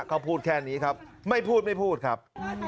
เขาพูดแค่นี้ครับไม่พูดไม่พูดครับ